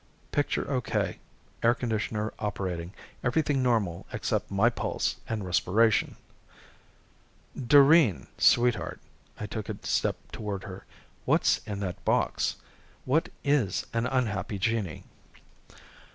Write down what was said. Picture okay. Air conditioner operating. Everything normal except my pulse and respiration. "Doreen, sweetheart " I took a step toward her "what's in that box? What is an unhappy genii?"